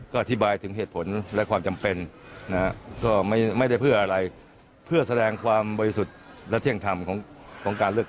๕๕๕กว่าหรือประมาณ๖๐เปอร์เซ็นต์เศษ